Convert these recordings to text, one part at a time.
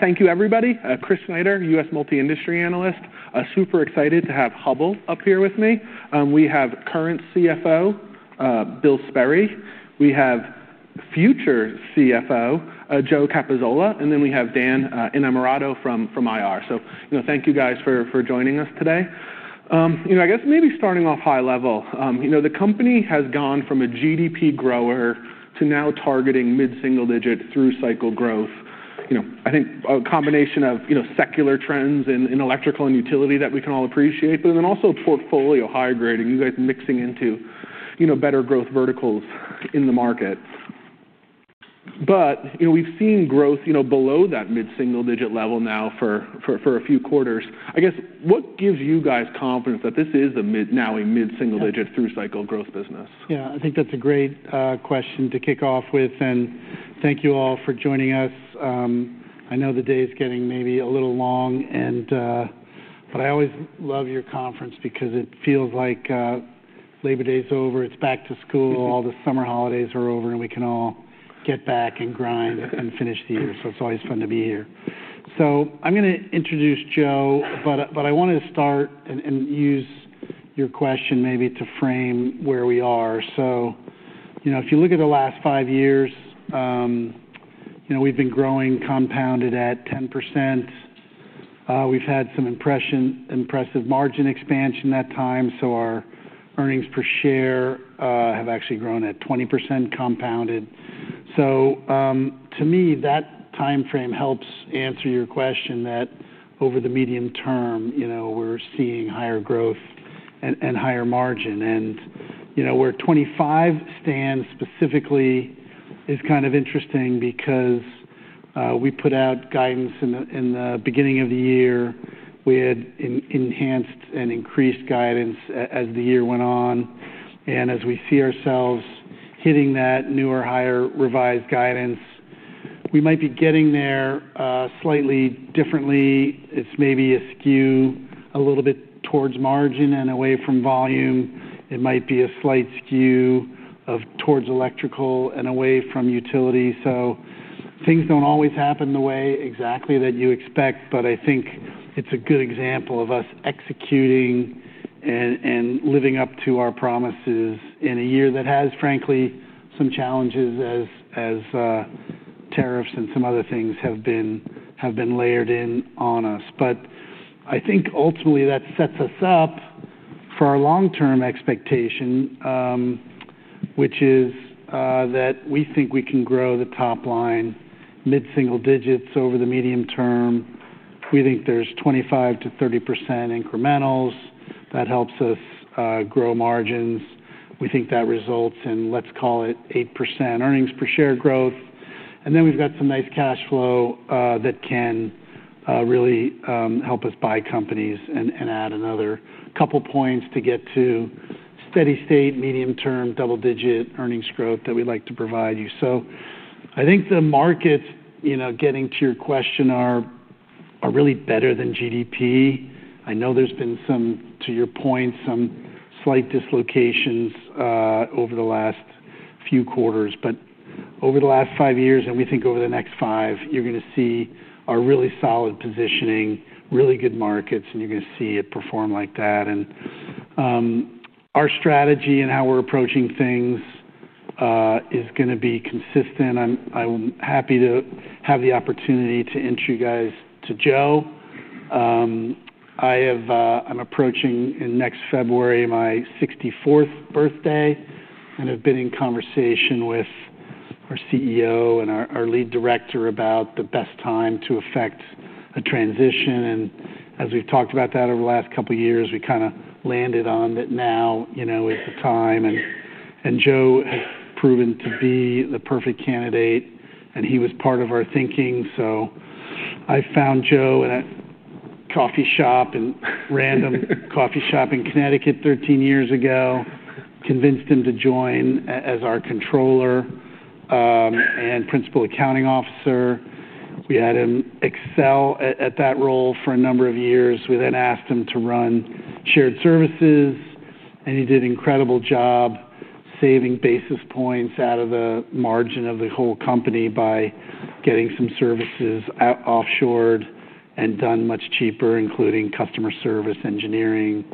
Thank you, everybody. Chris Snyder, U.S. Multi-Industry Analyst. Super excited to have Hubbell up here with me. We have current CFO, Bill Sperry. We have future CFO, Joe Cappuzzola. We have Dan Innamorato from IR. Thank you guys for joining us today. I guess maybe starting off high level, the company has gone from a GDP grower to now targeting mid-single-digit through-cycle growth. I think a combination of secular trends in electrical and utility that we can all appreciate, but then also portfolio high-grading, you guys mixing into better growth verticals in the market. We've seen growth below that mid-single-digit level now for a few quarters. I guess, what gives you guys confidence that this is now a mid-single-digit through-cycle growth business? Yeah, I think that's a great question to kick off with. Thank you all for joining us. I know the day is getting maybe a little long, but I always love your conference because it feels like Labor Day is over. It's back to school. All the summer holidays are over, and we can all get back and grind and finish the year. It's always fun to be here. I'm going to introduce Joe, but I want to start and use your question maybe to frame where we are. If you look at the last five years, we've been growing compounded at 10%. We've had some impressive margin expansion that time. Our earnings per share have actually grown at 20% compounded. To me, that time frame helps answer your question that over the medium term, we're seeing higher growth and higher margin. Where 2025 stands specifically is kind of interesting because we put out guidance in the beginning of the year. We had enhanced and increased guidance as the year went on. As we see ourselves hitting that newer, higher revised guidance, we might be getting there slightly differently. It's maybe a skew a little bit towards margin and away from volume. It might be a slight skew towards electrical and away from utility. Things don't always happen the way exactly that you expect, but I think it's a good example of us executing and living up to our promises in a year that has, frankly, some challenges as tariffs and some other things have been layered in on us. I think ultimately that sets us up for our long-term expectation, which is that we think we can grow the top line mid-single digits over the medium term. We think there's 25% to 30% incrementals that help us grow margins. We think that results in, let's call it, 8% earnings per share growth. We've got some nice cash flow that can really help us buy companies and add another couple of points to get to steady state, medium-term, double-digit earnings growth that we'd like to provide you. I think the markets, getting to your question, are really better than GDP. I know there's been, to your point, some slight dislocations over the last few quarters, but over the last five years, and we think over the next five, you're going to see a really solid positioning, really good markets, and you're going to see it perform like that. Our strategy and how we're approaching things is going to be consistent. I'm happy to have the opportunity to introduce you guys to Joe. I'm approaching next February my 64th birthday and have been in conversation with our CEO and our Lead Director about the best time to effect a transition. As we've talked about that over the last couple of years, we kind of landed on that now, you know, is the time. Joe has proven to be the perfect candidate, and he was part of our thinking. I found Joe at a coffee shop, a random coffee shop in Connecticut 13 years ago, convinced him to join as our Controller and Principal Accounting Officer. We had him excel at that role for a number of years. We then asked him to run Shared Services, and he did an incredible job saving basis points out of the margin of the whole company by getting some services offshored and done much cheaper, including customer service, engineering,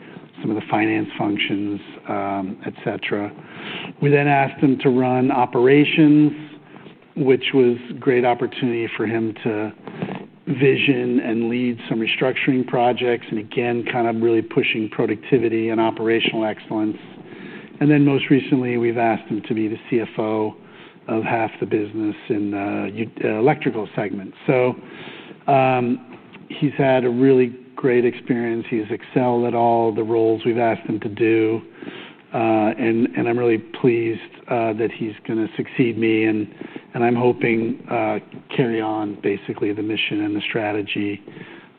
some of the finance functions, etc. We then asked him to run operations, which was a great opportunity for him to vision and lead some restructuring projects, and again, really pushing productivity and operational excellence. Most recently, we've asked him to be the CFO of half the business in the Electrical segment. He's had a really great experience. He's excelled at all the roles we've asked him to do, and I'm really pleased that he's going to succeed me, and I'm hoping to carry on basically the mission and the strategy.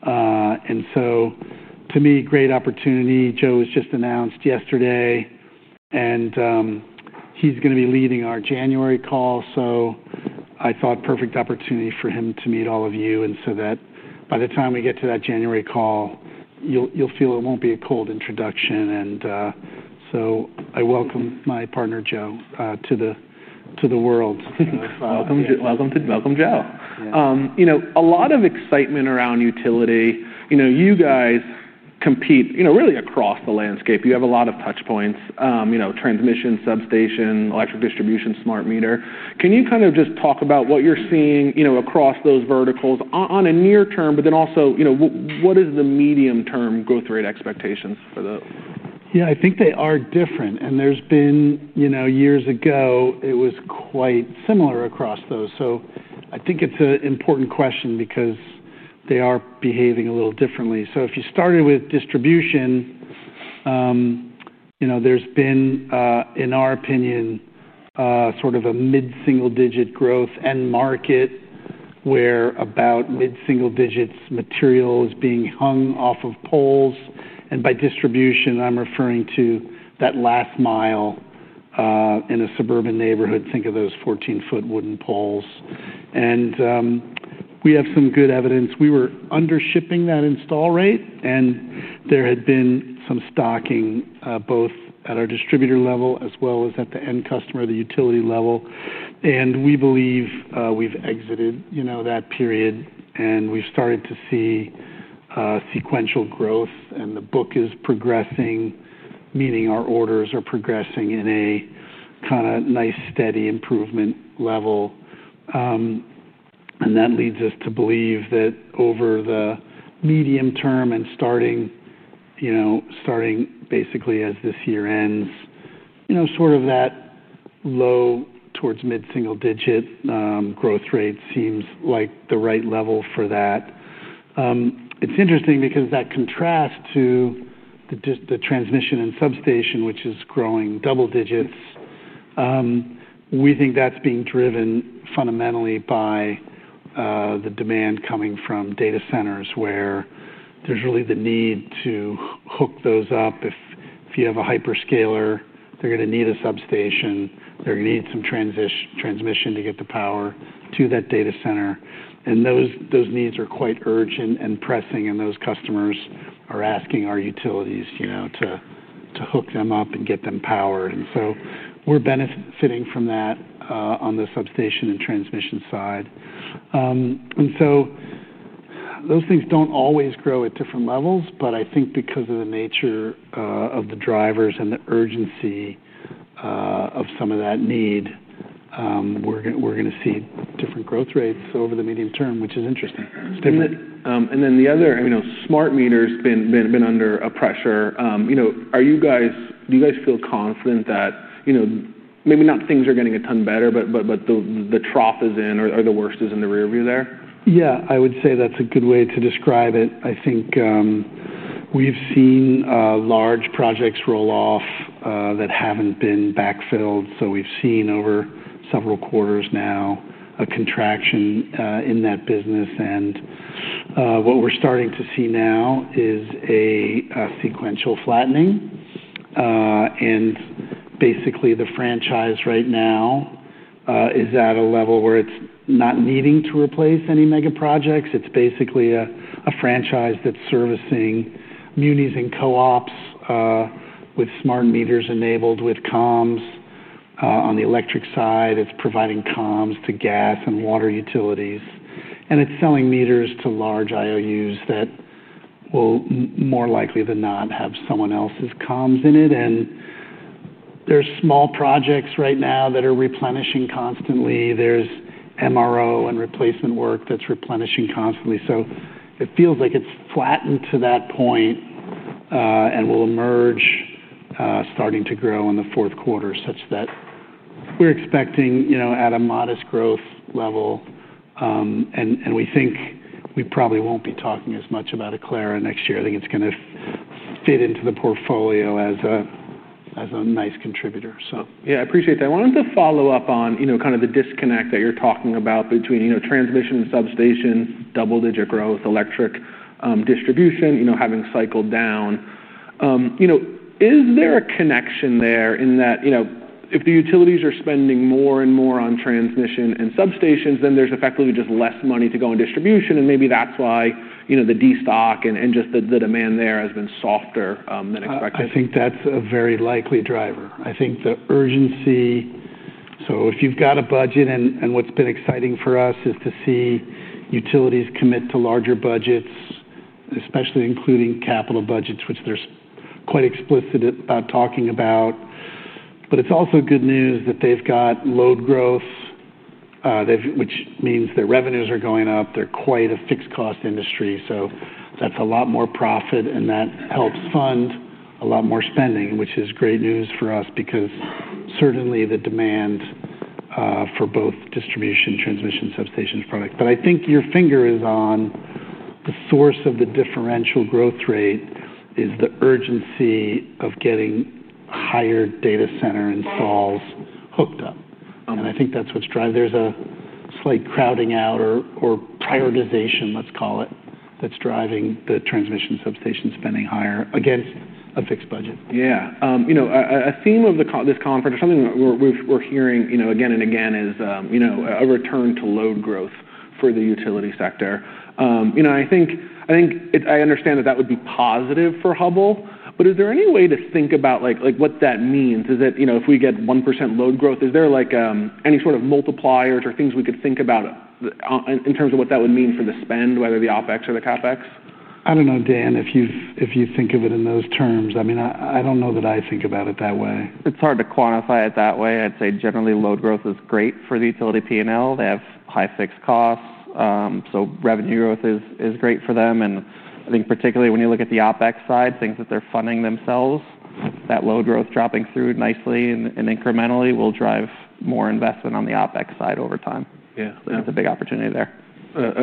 To me, great opportunity. Joe was just announced yesterday, and he's going to be leading our January call. I thought perfect opportunity for him to meet all of you. By the time we get to that January call, you'll feel it won't be a cold introduction. I welcome my partner, Joe, to the world. Welcome, Joe. A lot of excitement around utility. You guys compete really across the landscape. You have a lot of touchpoints: transmission, substation, electric distribution, smart meter. Can you kind of just talk about what you're seeing across those verticals on a near term, but then also what is the medium-term growth rate expectations for those? Yeah, I think they are different. There's been, you know, years ago, it was quite similar across those. I think it's an important question because they are behaving a little differently. If you started with distribution, you know, there's been, in our opinion, sort of a mid-single-digit growth end market where about mid-single digits material is being hung off of poles. By distribution, I'm referring to that last mile in a suburban neighborhood. Think of those 14-foot wooden poles. We have some good evidence. We were under shipping that install rate, and there had been some stocking both at our distributor level as well as at the end customer, the utility level. We believe we've exited that period, and we've started to see sequential growth, and the book is progressing, meaning our orders are progressing in a kind of nice steady improvement level. That leads us to believe that over the medium term and starting, you know, starting basically as this year ends, sort of that low towards mid-single-digit growth rate seems like the right level for that. It's interesting because that contrasts to the transmission and substation, which is growing double digits. We think that's being driven fundamentally by the demand coming from data centers where there's really the need to hook those up. If you have a hyperscaler, they're going to need a substation. They're going to need some transmission to get the power to that data center. Those needs are quite urgent and pressing, and those customers are asking our utilities to hook them up and get them powered. We are benefiting from that on the substation and transmission side. Those things don't always grow at different levels, but I think because of the nature of the drivers and the urgency of some of that need, we're going to see different growth rates over the medium term, which is interesting. The other, you know, smart meter's been under pressure. Do you guys feel confident that, you know, maybe not things are getting a ton better, but the trough is in, or the worst is in the rearview there? Yeah, I would say that's a good way to describe it. I think we've seen large projects roll off that haven't been backfilled. We've seen over several quarters now a contraction in that business. What we're starting to see now is a sequential flattening. Basically, the franchise right now is at a level where it's not needing to replace any mega projects. It's basically a franchise that's servicing munis and co-ops with smart meters enabled with comms. On the electric side, it's providing comms to gas and water utilities. It's selling meters to large IOUs that will more likely than not have someone else's comms in it. There are small projects right now that are replenishing constantly. There's MRO and replacement work that's replenishing constantly. It feels like it's flattened to that point and will emerge starting to grow in the fourth quarter such that we're expecting, you know, at a modest growth level. We think we probably won't be talking as much about Aclara next year. I think it's going to fit into the portfolio as a nice contributor. I appreciate that. I wanted to follow up on the disconnect that you're talking about between transmission, substation, double-digit growth, electric distribution having cycled down. Is there a connection there in that if the utilities are spending more and more on transmission and substations, then there's effectively just less money to go in distribution? Maybe that's why the destock and just the demand there has been softer than expected. I think that's a very likely driver. I think the urgency. If you've got a budget, what's been exciting for us is to see utilities commit to larger budgets, especially including capital budgets, which they're quite explicit about talking about. It's also good news that they've got load growth, which means their revenues are going up. They're quite a fixed cost industry. That's a lot more profit, and that helps fund a lot more spending, which is great news for us because certainly the demand for both distribution, transmission, substation is product. I think your finger is on the source of the differential growth rate, the urgency of getting higher data center installs hooked up. I think that's what's driving. There's a slight crowding out or prioritization, let's call it, that's driving the transmission substation spending higher. Again, a fixed budget. Yeah, a theme of this conference or something we're hearing again and again is a return to load growth for the utility sector. I think I understand that that would be positive for Hubbell, but is there any way to think about what that means? Is it, if we get 1% load growth, is there any sort of multipliers or things we could think about in terms of what that would mean for the spend, whether the OpEx or the CapEx? I don't know, Dan, if you think of it in those terms. I don't know that I think about it that way. It's hard to quantify it that way. I'd say generally load growth is great for the utility P&L. They have high fixed costs, so revenue growth is great for them. I think particularly when you look at the OpEx side, things that they're funding themselves, that load growth dropping through nicely and incrementally will drive more investment on the OpEx side over time. I think it's a big opportunity there.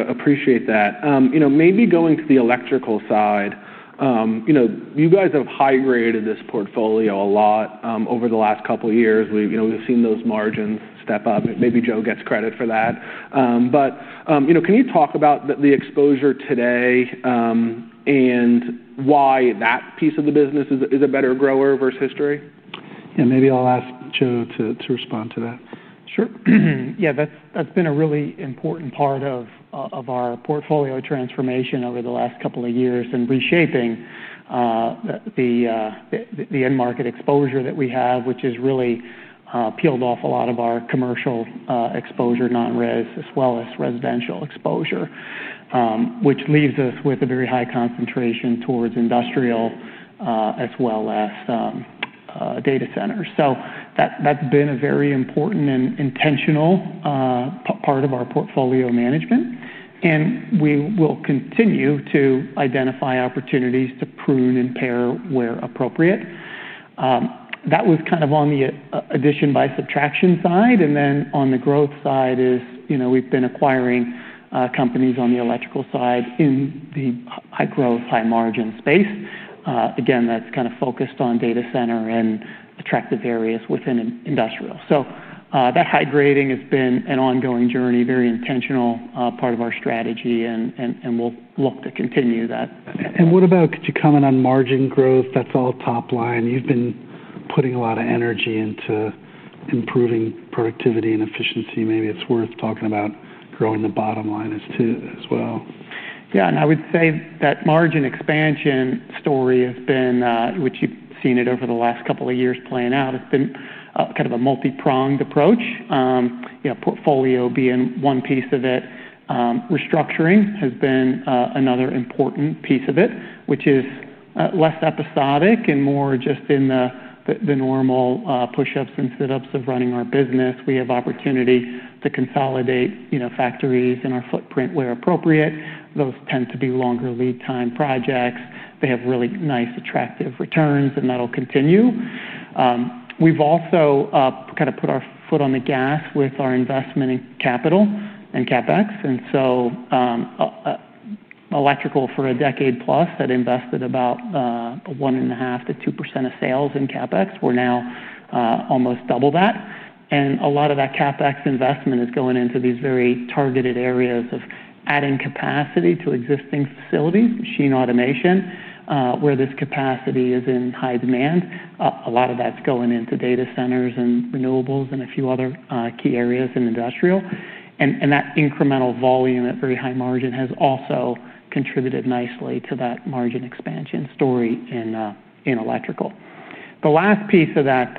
Appreciate that. Maybe going to the electrical side, you know, you guys have high-graded this portfolio a lot over the last couple of years. We've seen those margins step up. Maybe Joe gets credit for that. Can you talk about the exposure today and why that piece of the business is a better grower versus history? Yeah, maybe I'll ask Joe to respond to that. Sure. Yeah, that's been a really important part of our portfolio transformation over the last couple of years and reshaping the end market exposure that we have, which has really peeled off a lot of our commercial exposure, non-res, as well as residential exposure, which leaves us with a very high concentration towards industrial as well as data centers. That's been a very important and intentional part of our portfolio management. We will continue to identify opportunities to prune and pair where appropriate. That was kind of on the addition by subtraction side. On the growth side, we've been acquiring companies on the electrical side in the high growth, high margin space. Again, that's kind of focused on data center and attractive areas within industrial. That high grading has been an ongoing journey, a very intentional part of our strategy, and we'll look to continue that. Could you comment on margin growth? That's all top line. You've been putting a lot of energy into improving productivity and efficiency. Maybe it's worth talking about growing the bottom line as well. Yeah, and I would say that margin expansion story has been, which you've seen it over the last couple of years playing out, it's been kind of a multi-pronged approach. Portfolio being one piece of it, restructuring has been another important piece of it, which is less episodic and more just in the normal push-ups and sit-ups of running our business. We have opportunity to consolidate factories in our footprint where appropriate. Those tend to be longer lead time projects. They have really nice attractive returns, and that'll continue. We've also kind of put our foot on the gas with our investment in capital and CapEx. Electrical for a decade plus had invested about 1.5% to 2% of sales in CapEx. We're now almost double that. A lot of that CapEx investment is going into these very targeted areas of adding capacity to existing facilities, machine automation, where this capacity is in high demand. A lot of that's going into data centers and renewables and a few other key areas in industrial. That incremental volume at very high margin has also contributed nicely to that margin expansion story in electrical. The last piece of that,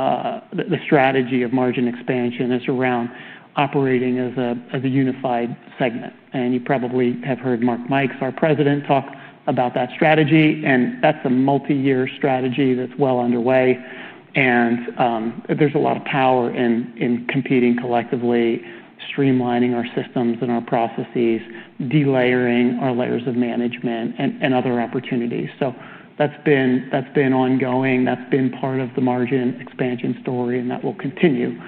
the strategy of margin expansion is around operating as a unified segment. You probably have heard Mark Mikes, our President, talk about that strategy. That's a multi-year strategy that's well underway. There's a lot of power in competing collectively, streamlining our systems and our processes, delayering our layers of management and other opportunities. That's been ongoing. That's been part of the margin expansion story, and that will continue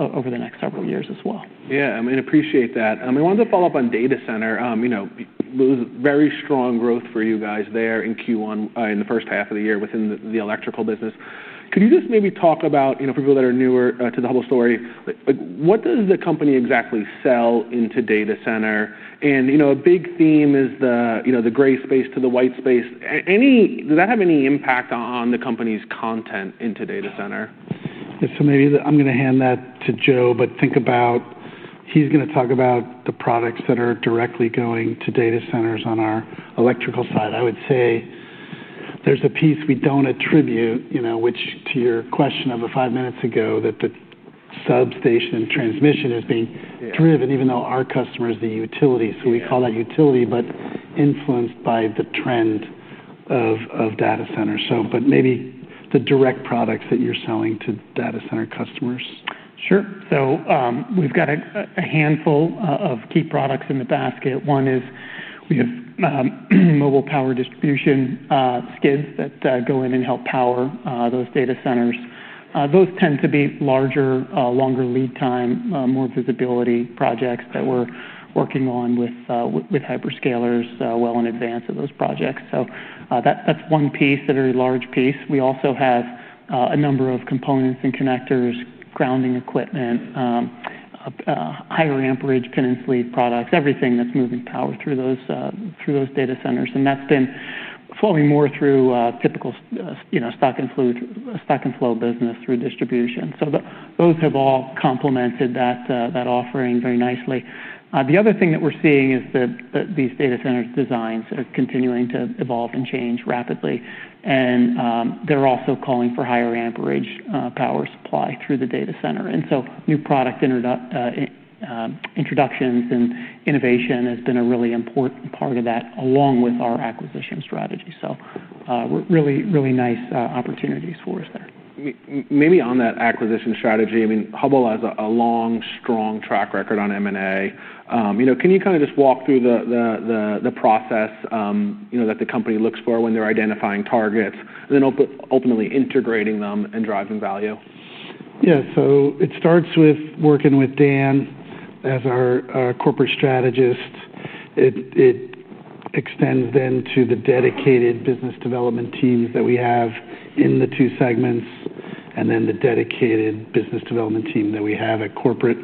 over the next several years as well. I mean, appreciate that. I wanted to follow up on data center. It was very strong growth for you guys there in Q1 in the first half of the year within the electrical business. Could you just maybe talk about, you know, people that are newer to the Hubbell story? What does the company exactly sell into data center? A big theme is the gray space to the white space. Does that have any impact on the company's content into data center? Yeah, so maybe I'm going to hand that to Joe, but think about, he's going to talk about the products that are directly going to data centers on our electrical side. I would say there's a piece we don't attribute, you know, which to your question of five minutes ago, that the substation transmission is being driven, even though our customer is the utility. We call that utility, but influenced by the trend of data centers. Maybe the direct products that you're selling to data center customers. Sure. We've got a handful of key products in the basket. One is we have mobile power distribution skids that go in and help power those data centers. Those tend to be larger, longer lead time, more visibility projects that we're working on with hyperscalers well in advance of those projects. That's one piece, a very large piece. We also have a number of components and connectors, grounding equipment, higher amperage peninsulate products, everything that's moving power through those data centers. That's been flowing more through typical, you know, stock and flow business through distribution. Those have all complemented that offering very nicely. The other thing that we're seeing is that these data center designs are continuing to evolve and change rapidly. They're also calling for higher amperage power supply through the data center. New product introductions and innovation has been a really important part of that, along with our acquisition strategy. Really, really nice opportunities for us there. Maybe on that acquisition strategy, I mean, Hubbell has a long, strong track record on M&A. Can you kind of just walk through the process that the company looks for when they're identifying targets and then ultimately integrating them and driving value? Yeah, it starts with working with Dan as our Corporate Strategist. It extends to the dedicated business development teams that we have in the two segments and then the dedicated business development team that we have at Corporate.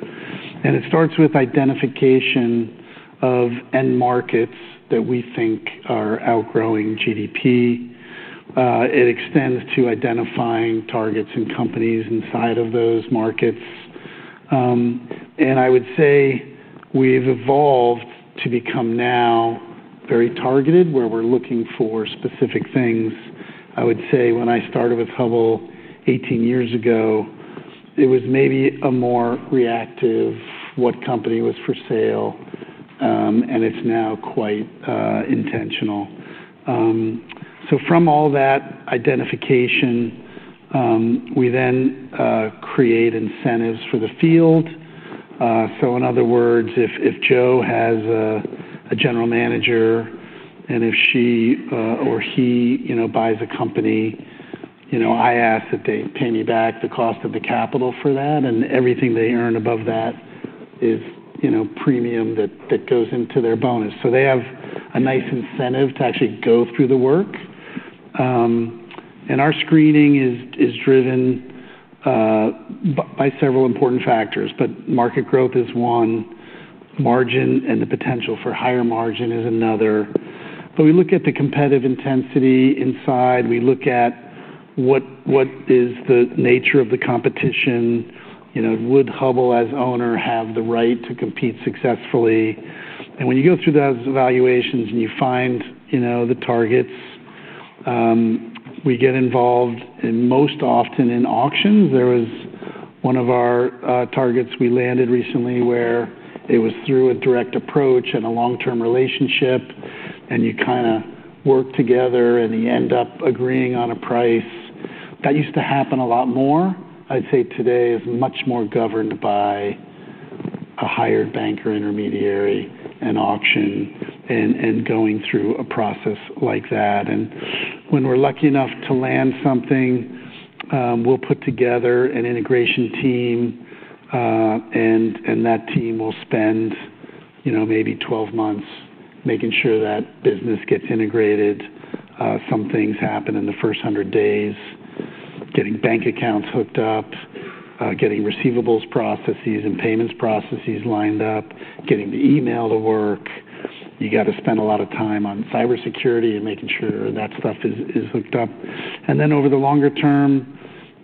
It starts with identification of end markets that we think are outgrowing GDP. It extends to identifying targets and companies inside of those markets. I would say we've evolved to become now very targeted where we're looking for specific things. I would say when I started with Hubbell 18 years ago, it was maybe a more reactive what company was for sale, and it's now quite intentional. From all that identification, we then create incentives for the field. In other words, if Joe has a General Manager and if she or he buys a company, I ask that they pay me back the cost of the capital for that and everything they earn above that is premium that goes into their bonus. They have a nice incentive to actually go through the work. Our screening is driven by several important factors, but market growth is one. Margin and the potential for higher margin is another. We look at the competitive intensity inside. We look at what is the nature of the competition. Would Hubbell, as owner, have the right to compete successfully? When you go through those evaluations and you find the targets, we get involved most often in auctions. There was one of our targets we landed recently where it was through a direct approach and a long-term relationship, and you kind of work together and you end up agreeing on a price. That used to happen a lot more. I would say today is much more governed by a hired banker intermediary and auction and going through a process like that. When we're lucky enough to land something, we'll put together an integration team, and that team will spend maybe 12 months making sure that business gets integrated. Some things happen in the first 100 days, getting bank accounts hooked up, getting receivables processes and payments processes lined up, getting the email to work. You have to spend a lot of time on cybersecurity and making sure that stuff is hooked up. Over the longer term,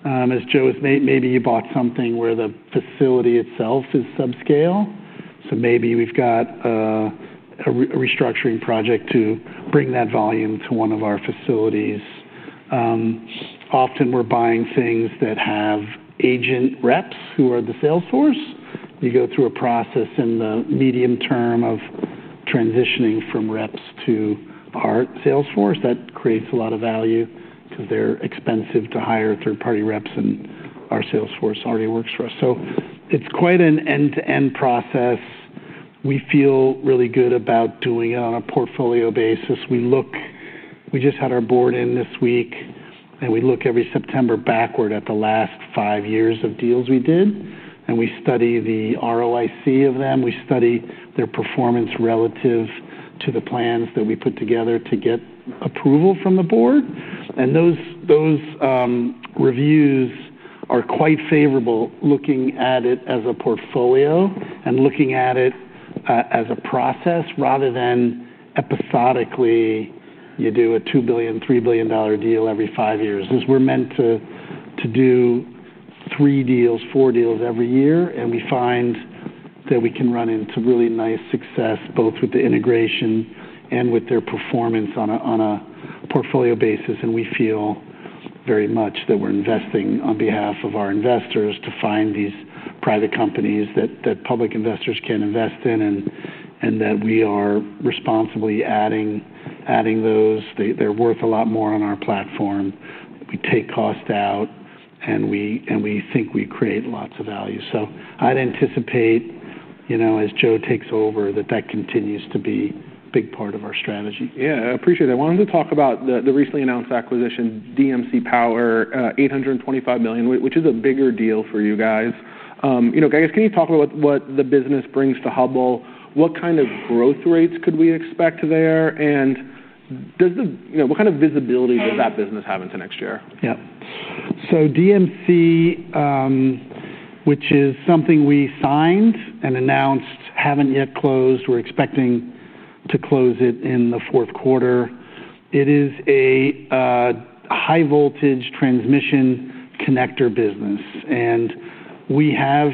as Joe has made, maybe you bought something where the facility itself is subscale. Maybe we've got a restructuring project to bring that volume to one of our facilities. Often we're buying things that have agent reps who are the sales force. You go through a process in the medium term of transitioning from reps to our sales force. That creates a lot of value because they're expensive to hire third-party reps, and our sales force already works for us. It's quite an end-to-end process. We feel really good about doing it on a portfolio basis. We just had our board in this week, and we look every September backward at the last five years of deals we did. We study the ROIC of them. We study their performance relative to the plans that we put together to get approval from the board. Those reviews are quite favorable looking at it as a portfolio and looking at it as a process rather than episodically. You do a $2 billion, $3 billion deal every five years. We're meant to do three deals, four deals every year, and we find that we can run into really nice success both with the integration and with their performance on a portfolio basis. We feel very much that we're investing on behalf of our investors to find these private companies that public investors can invest in and that we are responsibly adding those. They're worth a lot more on our platform. We take cost out, and we think we create lots of value. I'd anticipate, as Joe takes over, that that continues to be a big part of our strategy. Yeah, I appreciate that. I wanted to talk about the recently announced acquisition, DMC Power, $825 million, which is a bigger deal for you guys. I guess can you talk about what the business brings to Hubbell? What kind of growth rates could we expect there? What kind of visibility does that business have into next year? Yeah, so DMC, which is something we signed and announced, haven't yet closed. We're expecting to close it in the fourth quarter. It is a high voltage transmission connector business. We have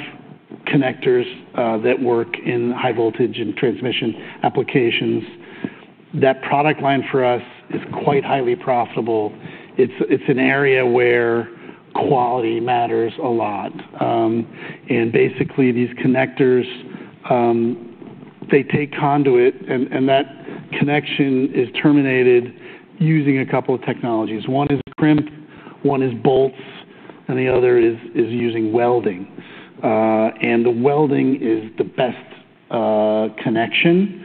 connectors that work in high voltage and transmission applications. That product line for us is quite highly profitable. It's an area where quality matters a lot. Basically, these connectors, they take conduit, and that connection is terminated using a couple of technologies. One is crimp, one is bolts, and the other is using welding. The welding is the best connection,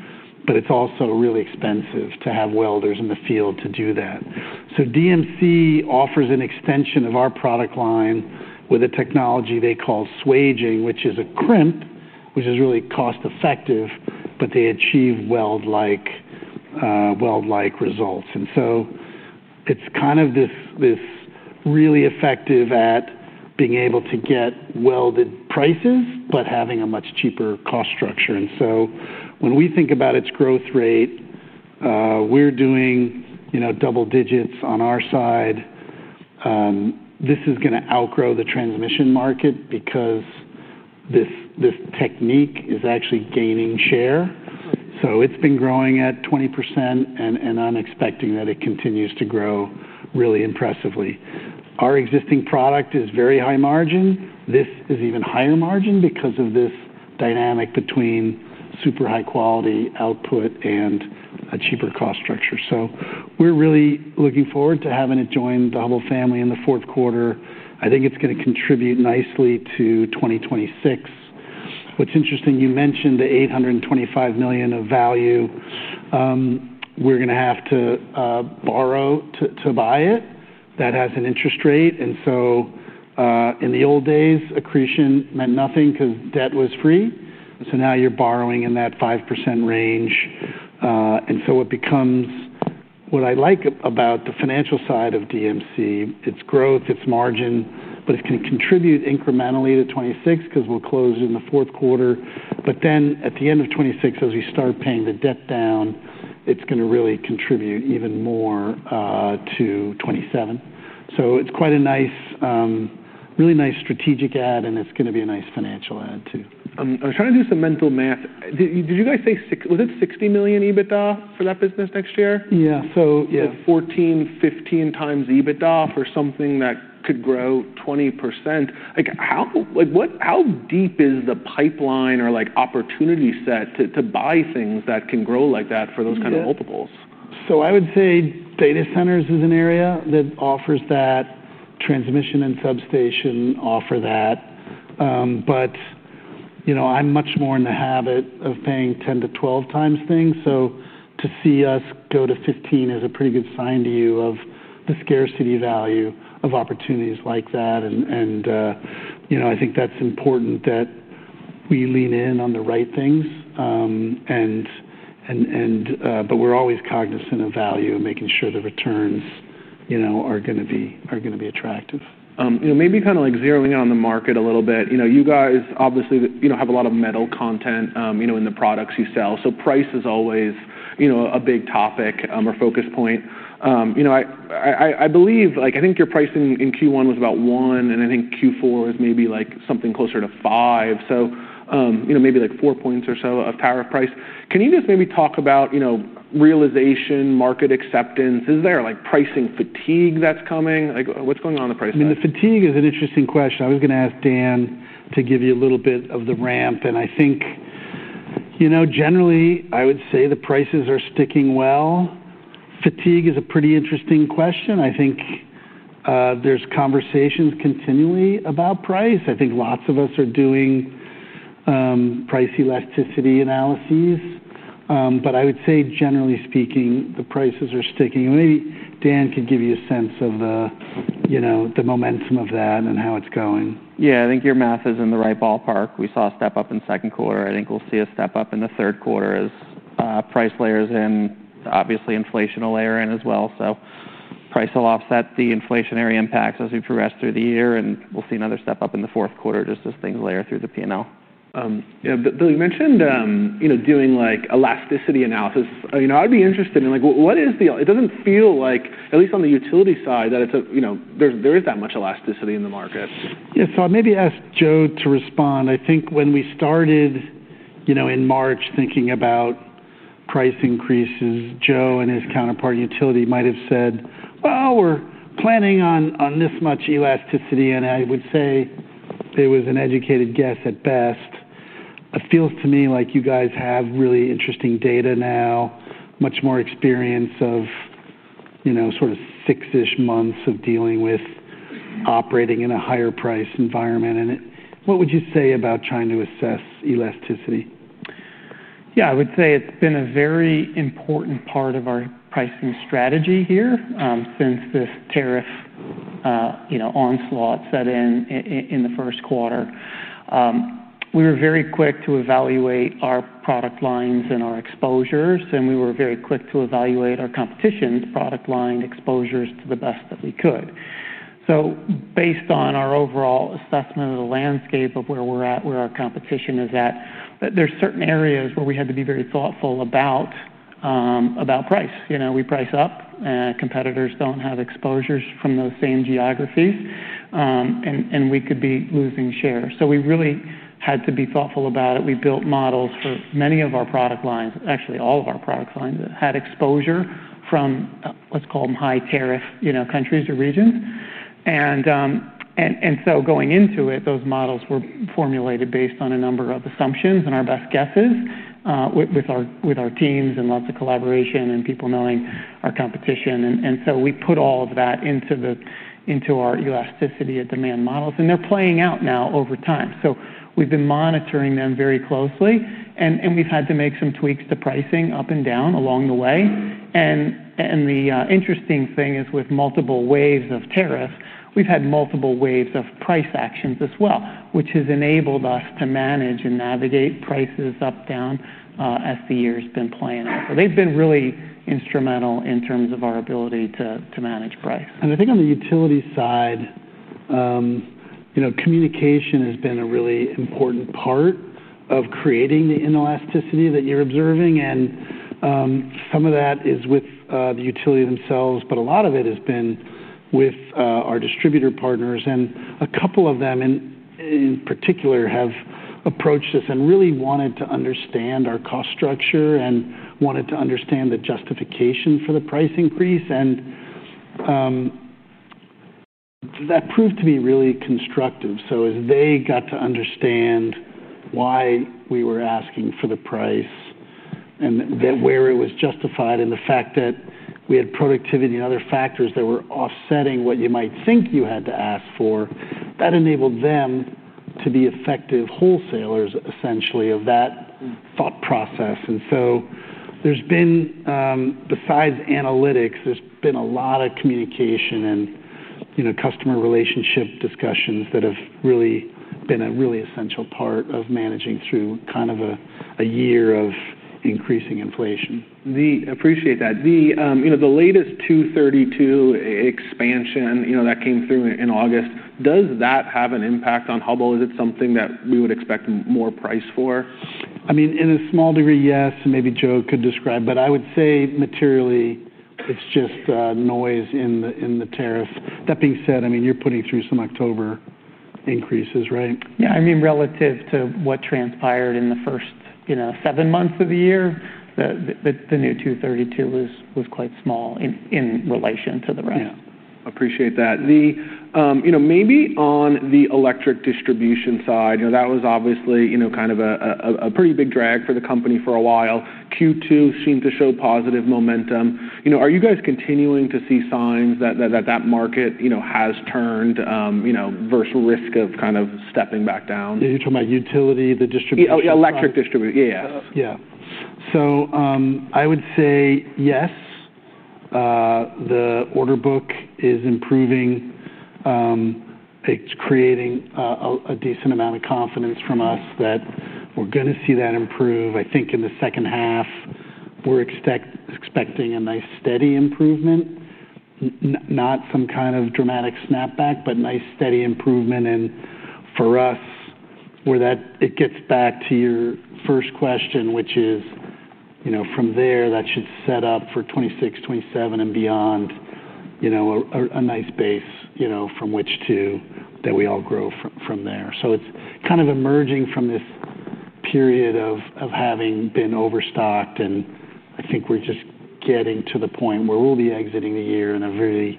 but it's also really expensive to have welders in the field to do that. DMC offers an extension of our product line with a technology they call swaging, which is a crimp, which is really cost-effective, but they achieve weld-like results. It's kind of this really effective at being able to get welded prices, but having a much cheaper cost structure. When we think about its growth rate, we're doing, you know, double digits on our side. This is going to outgrow the transmission market because this technique is actually gaining share. It's been growing at 20% and I'm expecting that it continues to grow really impressively. Our existing product is very high margin. This is even higher margin because of this dynamic between super high quality output and a cheaper cost structure. We're really looking forward to having it join the Hubbell family in the fourth quarter. I think it's going to contribute nicely to 2026. What's interesting, you mentioned the $825 million of value. We're going to have to borrow to buy it. That has an interest rate. In the old days, accretion meant nothing because debt was free. Now you're borrowing in that 5% range. It becomes what I like about the financial side of DMC, its growth, its margin, but it's going to contribute incrementally to 2026 because we'll close in the fourth quarter. At the end of 2026, as we start paying the debt down, it's going to really contribute even more to 2027. It's quite a nice, really nice strategic add, and it's going to be a nice financial add too. I was trying to do some mental math. Did you guys say, was it $60 million EBITDA for that business next year? Yeah. Fourteen, fifteen times EBITDA for something that could grow 20%. How deep is the pipeline or opportunity set to buy things that can grow like that for those kinds of multiples? I would say data centers is an area that offers that. Transmission and substation offer that. I'm much more in the habit of paying 10 to 12 times things. To see us go to 15 is a pretty good sign to you of the scarcity value of opportunities like that. I think that's important that we lean in on the right things, but we're always cognizant of value, making sure the returns are going to be attractive. Maybe kind of like zeroing in on the market a little bit. You guys obviously have a lot of metal content in the products you sell. Price is always a big topic or focus point. I believe, like I think your pricing in Q1 was about 1, and I think Q4 is maybe like something closer to 5. Maybe like 4 points or so of tariff price. Can you just maybe talk about realization, market acceptance? Is there like pricing fatigue that's coming? What's going on in the price? The fatigue is an interesting question. I was going to ask Dan to give you a little bit of the ramp. I think, generally, I would say the prices are sticking well. Fatigue is a pretty interesting question. There are conversations continually about price. Lots of us are doing price elasticity analyses. I would say, generally speaking, the prices are sticking. Maybe Dan could give you a sense of the momentum of that and how it's going. Yeah, I think your math is in the right ballpark. We saw a step up in the second quarter. I think we'll see a step up in the third quarter as price layers in, obviously inflation will layer in as well. Price will offset the inflationary impacts as we progress through the year, and we'll see another step up in the fourth quarter just as things layer through the P&L. Yeah, Bill, you mentioned doing elasticity analysis. I'd be interested in what is the, it doesn't feel like, at least on the utility side, that there is that much elasticity in the market. Yeah, I'll maybe ask Joe to respond. I think when we started in March thinking about price increases, Joe and his counterpart in utility might have said we're planning on this much elasticity. I would say it was an educated guess at best. It feels to me like you guys have really interesting data now, much more experience of sort of six-ish months of dealing with operating in a higher price environment. What would you say about trying to assess elasticity? Yeah, I would say it's been a very important part of our pricing strategy here since this tariff onslaught set in in the first quarter. We were very quick to evaluate our product lines and our exposures, and we were very quick to evaluate our competition's product line exposures to the best that we could. Based on our overall assessment of the landscape of where we're at, where our competition is at, there's certain areas where we had to be very thoughtful about price. You know, we price up, competitors don't have exposures from those same geographies, and we could be losing share. We really had to be thoughtful about it. We built models for many of our product lines, actually all of our product lines that had exposure from, let's call them high tariff countries or regions. Going into it, those models were formulated based on a number of assumptions and our best guesses with our teams and lots of collaboration and people knowing our competition. We put all of that into our elasticity of demand models, and they're playing out now over time. We've been monitoring them very closely, and we've had to make some tweaks to pricing up and down along the way. The interesting thing is with multiple waves of tariffs, we've had multiple waves of price actions as well, which has enabled us to manage and navigate prices up, down as the year's been playing. They've been really instrumental in terms of our ability to manage price. I think on the utility side, communication has been a really important part of creating the inelasticity that you're observing. Some of that is with the utility themselves, but a lot of it has been with our distributor partners. A couple of them in particular have approached us and really wanted to understand our cost structure and wanted to understand the justification for the price increase. That proved to be really constructive. As they got to understand why we were asking for the price and where it was justified and the fact that we had productivity and other factors that were offsetting what you might think you had to ask for, that enabled them to be effective wholesalers essentially of that thought process. There's been, besides analytics, a lot of communication and customer relationship discussions that have really been a really essential part of managing through kind of a year of increasing inflation. I appreciate that. The latest 232 expansion that came through in August, does that have an impact on Hubbell? Is it something that we would expect more price for? I mean, in a small degree, yes, and maybe Joe could describe, but I would say materially, it's just noise in the tariffs. That being said, I mean, you're putting through some October increases, right? Yeah, I mean, relative to what transpired in the first seven months of the year, the new 232 was quite small in relation to the rest. Yeah. I appreciate that. Maybe on the electric distribution side, that was obviously kind of a pretty big drag for the company for a while. Q2 seemed to show positive momentum. Are you guys continuing to see signs that that market has turned versus risk of kind of stepping back down? You're talking about utility, the distribution? Electric distribution. Yeah. Yeah. I would say yes, the order book is improving. It's creating a decent amount of confidence from us that we're going to see that improve. I think in the second half, we're expecting a nice steady improvement, not some kind of dramatic snapback, but nice steady improvement. For us, where that gets back to your first question, which is, you know, from there, that should set up for 2026, 2027, and beyond, you know, a nice base, you know, from which to that we all grow from there. It's kind of emerging from this period of having been overstocked. I think we're just getting to the point where we'll be exiting the year in a very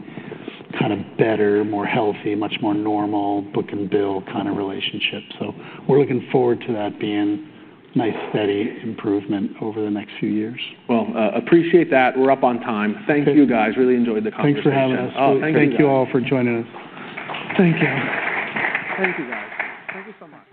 kind of better, more healthy, much more normal book and bill kind of relationship. We're looking forward to that being a nice steady improvement over the next few years. I appreciate that. We're up on time. Thank you guys. Really enjoyed the conversation. Thanks for having us. Thank you all for joining us. Thank you. Thank you, guys. Thank you so much.